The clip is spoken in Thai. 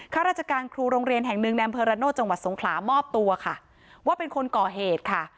ข้าราชการครูโรงเรียนแห่งหนึ่งในอำเภอระโนธจังหวัดสงขลามอบตัวค่ะว่าเป็นคนก่อเหตุค่ะ